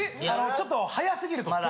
あのちょっと早すぎると。